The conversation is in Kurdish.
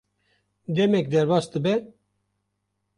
demek derbas dibe;